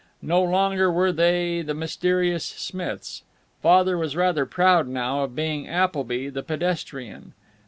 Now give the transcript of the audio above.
No longer were they the mysterious "Smiths." Father was rather proud, now, of being Appleby, the pedestrian.